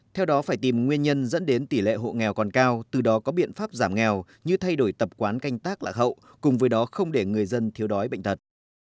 theo đó phải tìm nguyên nhân dẫn đến tỷ lệ hộ nghèo còn cao từ đó có biện pháp giảm nghèo như thay đổi tập quán canh tác lạc hậu cùng với đó không để người dân thiếu đói bệnh tật